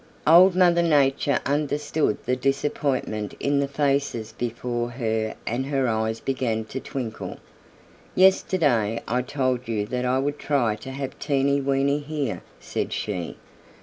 Old Mother Nature understood the disappointment in the faces before her and her eyes began to twinkle. "Yesterday I told you that I would try to have Teeny Weeny here," said she.